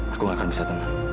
aku gak akan bisa tenang